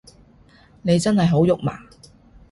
你真係好肉麻